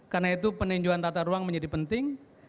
karena itu peninjuan tata ruang menjadi penting